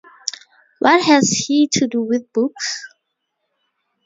What has he to do with books?